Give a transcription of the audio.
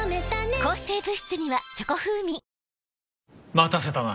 待たせたな。